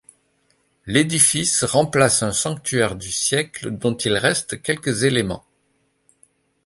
L'édifice remplace un sanctuaire du siècle dont il reste quelques éléments.